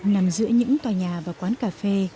nằm giữa những tòa nhà và quán cà phê